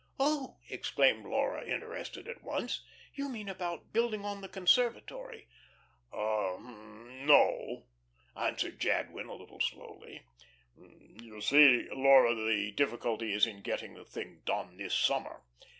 "Oh," exclaimed Laura, interested at once, "you mean about building on the conservatory?" "Hum no," answered Jadwin a little slowly. "You see, Laura, the difficulty is in getting the thing done this summer.